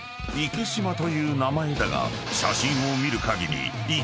池島という名前だが写真を見るかぎり］